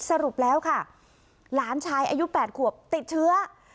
สรุปแล้วค่ะหลานชายอายุ๘ขวบติดเชื้อ